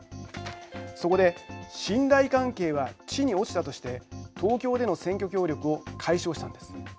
そこで信頼関係は地に落ちたとして東京での選挙協力を解消したんです。